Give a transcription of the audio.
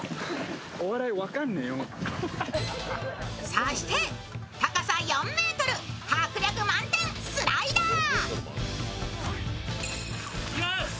そして、高さ４ｍ迫力満点スライダー。